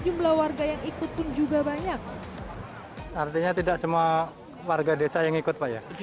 jumlah warga yang ikut pun juga banyak artinya tidak semua warga desa yang ikut pak ya